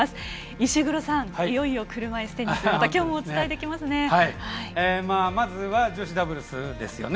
石黒さん、いよいよ車いすテニスまた今日もお伝えできますね。